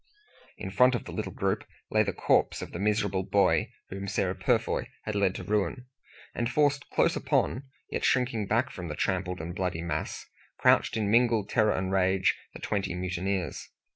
In front of the little group lay the corpse of the miserable boy whom Sarah Purfoy had led to ruin; and forced close upon, yet shrinking back from the trampled and bloody mass, crouched in mingled terror and rage, the twenty mutineers.